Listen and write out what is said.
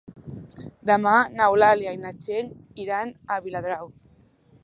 Demà n'Eulàlia i na Txell iran a Viladrau.